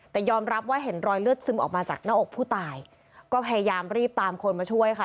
แต่ยอมรับว่าเห็นรอยเลือดซึมออกมาจากหน้าอกผู้ตายก็พยายามรีบตามคนมาช่วยค่ะ